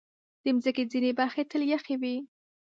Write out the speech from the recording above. د مځکې ځینې برخې تل یخې وي.